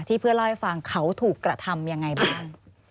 เพื่อนเล่าให้ฟังเขาถูกกระทำยังไงบ้าง